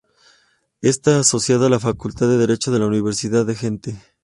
Está asociado a la Facultad de Derecho de la Universidad de Gante.